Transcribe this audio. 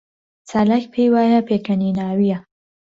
چالاک پێی وایە پێکەنیناوییە.